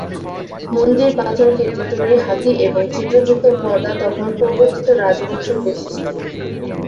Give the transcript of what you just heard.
মন্দিরে পাথর কেটে তৈরি হাতি এবং ছিদ্রযুক্ত পর্দা তখন প্রবর্তিত রাজবংশের বৈশিষ্ট্য।